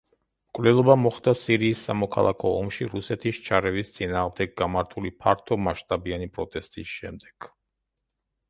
მკვლელობა მოხდა სირიის სამოქალაქო ომში რუსეთის ჩარევის წინააღმდეგ გამართული ფართომასშტაბიანი პროტესტის შემდეგ.